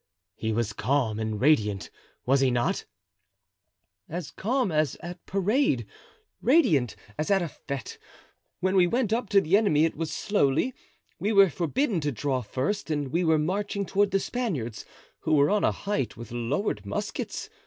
"He was calm and radiant, was he not?" "As calm as at parade, radiant as at a fete. When we went up to the enemy it was slowly; we were forbidden to draw first and we were marching toward the Spaniards, who were on a height with lowered muskets.